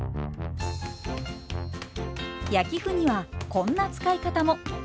焼き麩にはこんな使い方も。